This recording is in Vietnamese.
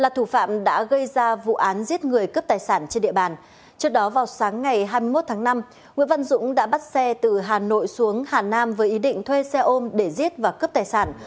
trước đó vào sáng ngày hai mươi một tháng năm nguyễn văn dũng đã bắt xe từ hà nội xuống hà nam với ý định thuê xe ôm để giết và cướp tài sản